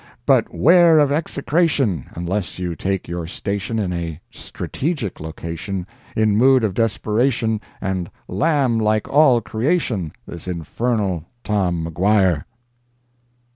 But 'ware of execration, Unless you take your station In a strategic location, In mood of desperation, And "lam" like all creation This infernal Tom Maguire!